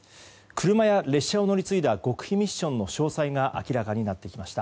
車や列車を乗り継いだ極秘ミッションの詳細が明らかになってきました。